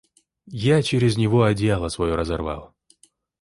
Я через него одеяло свое разорвал.